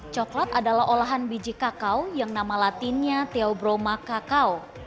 coklat adalah olahan biji kakao yang nama latinnya theobroma kakao